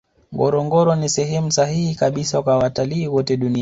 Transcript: ngorongoro ni sehemu sahihi kabisa kwa watalii wote dunian